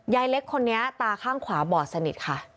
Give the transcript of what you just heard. ยายเล็กคนนี้ตาข้างขวาบอดสนิทค่ะ